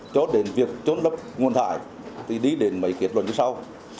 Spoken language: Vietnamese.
cho đến việc trôn lấp nguồn thải thì đi đến mấy kết luận như sau